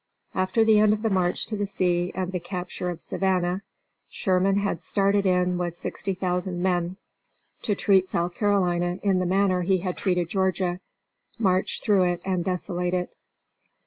After the end of the march to the sea and the capture of Savannah, Sherman had started in with sixty thousand men, to treat South Carolina in the manner he had treated Georgia march through it and desolate it.